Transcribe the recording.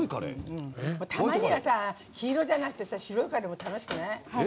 たまには黄色じゃなくて白いカレーも楽しくない？